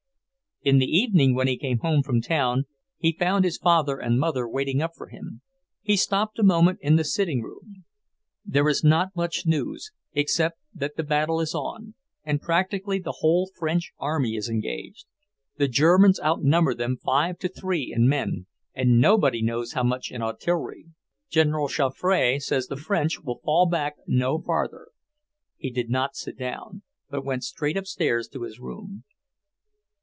In the evening, when he came back from town, he found his father and mother waiting up for him. He stopped a moment in the sitting room. "There is not much news, except that the battle is on, and practically the whole French army is engaged. The Germans outnumber them five to three in men, and nobody knows how much in artillery. General Joffre says the French will fall back no farther." He did not sit down, but went straight upstairs to his room.